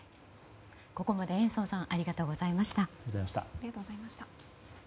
ここまで延増さんありがとうございました。